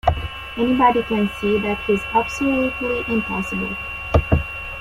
Anybody can see that he's absolutely impossible.